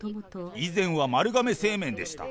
以前は丸亀製麺でした。